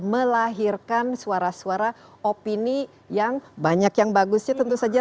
melahirkan suara suara opini yang banyak yang bagusnya tentu saja